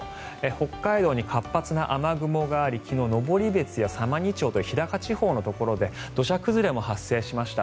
北海道に活発な雨雲があり昨日、登別や様似町という日高地方のところで土砂崩れも発生しました。